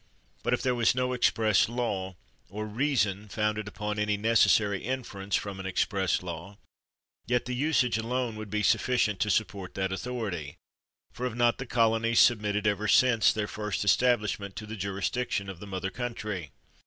But if there was no express law, or reason founded upon any necessary inference from an express law, yet the usage alone would be suf ficient to support that authority; for have not the colonies submitted ever since their first establishment to the jurisdiction of the mother country?